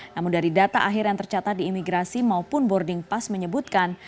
namun dari data akhir yang tercatat di imigrasi maupun boarding pass menyebutkan